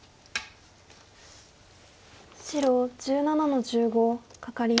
白１７の十五カカリ。